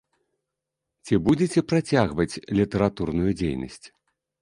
Ці будзеце працягваць літаратурную дзейнасць?